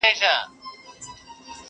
چي غزل مي د پرهر ژبه ویله,